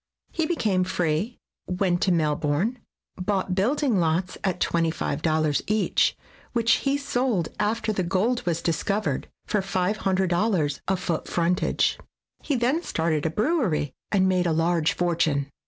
He became free, went to Mel bourne, bought building lots at $25 each, which he sold after the gold was discovered SKETCHES OF TRAVEL for $500 a foot frontage. He then started a brewery and made a large fortune.